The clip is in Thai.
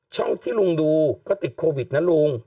ที่ลุงดูก็ติดโควิดนะลุง